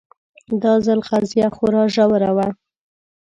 دا ځل قضیه خورا ژوره وه